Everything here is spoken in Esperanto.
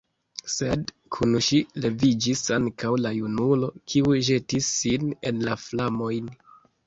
Sed kun ŝi leviĝis ankaŭ la junulo, kiu ĵetis sin en la flamojn.